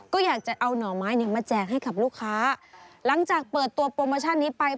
ก็อยากจะเอาหน่อไม้เนี่ยมาแจกให้กับลูกค้าหลังจากเปิดตัวโปรโมชั่นนี้ไป